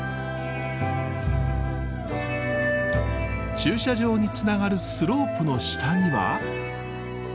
駐車場につながるスロープの下には。